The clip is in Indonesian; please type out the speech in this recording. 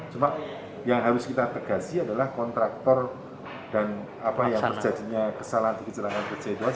cuma yang harus kita pergasi adalah kontraktor dan apa yang terjadinya kesalahan kecerahan kecederan sih yang diurus